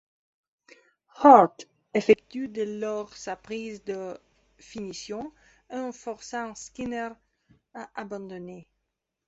Hart effectue dès lors sa prise de finition, un ' forçant Skinner à abandonner.